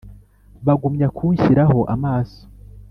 Bagumya kunshyiraho amaso